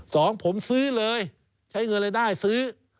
สองผมซื้อเลยใช้เงินรายได้ซื้อ